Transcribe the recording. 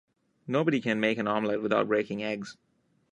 Nobody can make an omelette without breaking eggs.